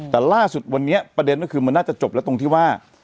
แต่ล่าสุดวันนี้ประเด็นก็คือมันน่าจะจบแล้วตรงที่ว่า